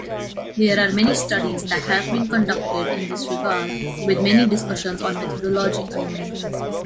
There are many studies that have been conducted in this regard, with many discussions on methodology alone.